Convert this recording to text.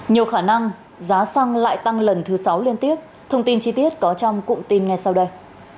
nhiều khả năng giá xăng lại tăng lần thứ sáu liên tiếp thông tin chi tiết có trong cụm tin ngay sau đây